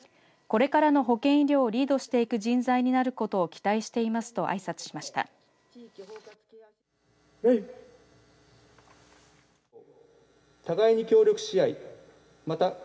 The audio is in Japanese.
これからの保健医療をリードしていく人材になることを期待していますとあいさつしました。